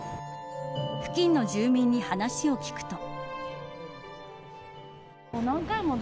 付近の住人に話を聞くと。